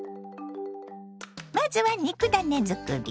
まずは肉ダネ作り。